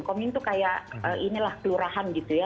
komyun itu kayak inilah kelurahan gitu ya